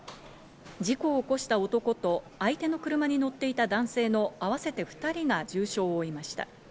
事故を起こした男と、相手の車に乗っていた男性の合わせて２人が重傷を負いました。